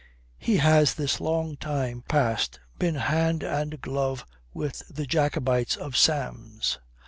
"He has this long time past been hand and glove with the Jacobites of Sam's.